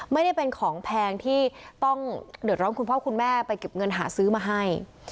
ไม่ได้เป็นของแพงที่ต้องเดือดร้อนคุณพ่อคุณแม่ไปเก็บเงินหาซื้อมาให้